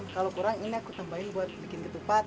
kalau kurang ini aku tambahin buat bikin ketupat